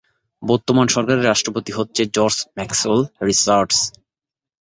বর্তমান সরকারের রাষ্ট্রপতি হচ্ছে জর্জ ম্যাক্সওয়েল রিচার্ডস।